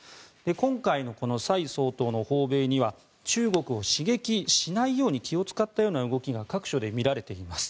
今回の蔡総統の訪米には中国を刺激しないように気を使ったような動きが各所で見られています。